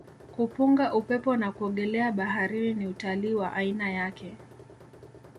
kupunga upepo na kuogelea baharini ni utalii wa aina yake